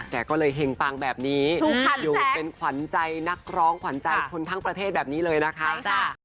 แกก็เลยเห็งปังแบบนี้อยู่เป็นขวัญใจนักร้องขวัญใจคนทั้งประเทศแบบนี้เลยนะคะ